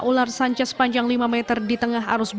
ular sanches panjang lima meter di tengah arus bandang